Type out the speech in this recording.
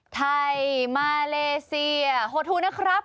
ไทยมาเลเซียโหดทูนะครับ